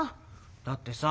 だってさ